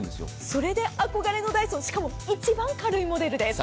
それで憧れのダイソンしかも一番軽いモデルです。